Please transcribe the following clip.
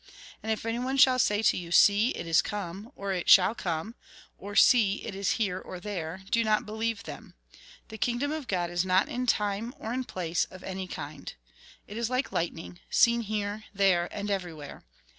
And if anyone shall say to you, ' See, it is come, or it shall come,' or, ' See, it is here or there,' do not believe them. The kingdom of God is not in time, or in place, of any kind. It is like lightning, seen here, there, and everywhere.